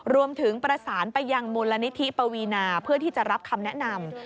รวมถึงประสานไปยังมูลนิธิปวีนาเพื่อที่จะรับคำแนะนำ